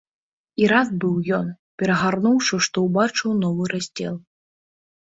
І рад быў ён, перагарнуўшы, што ўбачыў новы раздзел.